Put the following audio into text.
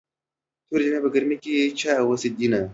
تورې جامې په ګرمۍ چا اغوستې دينه